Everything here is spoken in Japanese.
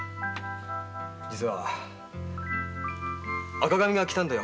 実は赤紙が来たんだよ